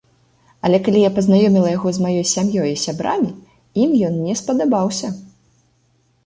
Але калі я пазнаёміла яго з маёй сям'ёй і сябрамі, ім ён не спадабаўся.